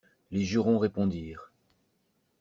Les jurons répondirent.